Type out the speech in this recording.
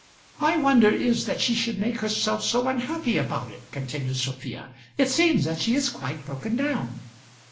"My wonder is that she should make herself so unhappy about it," continued Sophia. "It seems that she is quite broken down."